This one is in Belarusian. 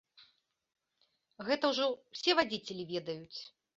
Гэта ўжо ўсе вадзіцелі ведаюць.